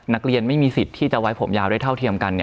นักเรียนไม่มีสิทธิ์ที่จะไว้ผมยาวได้เท่าเทียมกัน